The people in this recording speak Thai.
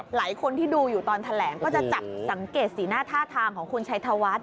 หลายคนที่ดูอยู่ตอนแถลงก็จะจับสังเกตสีหน้าท่าทางของคุณชัยธวัฒน์